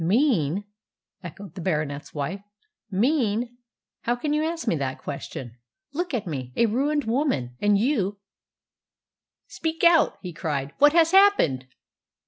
"Mean!" echoed the Baronet's wife. "Mean! How can you ask me that question? Look at me a ruined woman! And you " "Speak out!" he cried. "What has happened?"